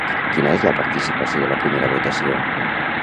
Quina és la participació de la primera votació?